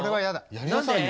やりなさいよ。